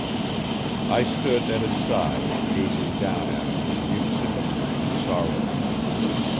I stood at his side, gazing down at him in mute sympathy and sorrow.